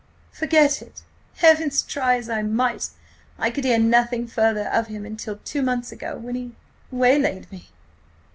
Forget it! Heavens! Try as I might, I could hear nothing further of him until two months ago, when he–waylaid me.